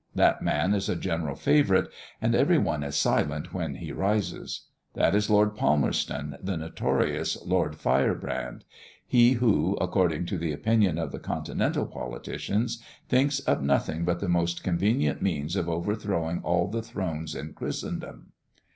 That man is a general favourite, and every one is silent when he rises. That is Lord Palmerston, the notorious Lord Firebrand; he who, according to the opinion of the continental politicians, thinks of nothing but the most convenient means of overthrowing all the thrones in Christendom.